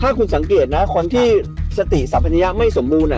ถ้าคุณสังเกตนะคนที่สติสัมพนิยะไม่สมบูรณ์